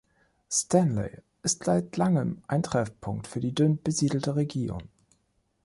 Stanley ist seit langem ein Treffpunkt für die dünn besiedelte Region.